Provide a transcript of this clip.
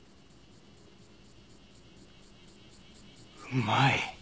うまい。